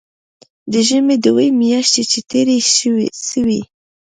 د ژمي دوې مياشتې چې تېرې سوې.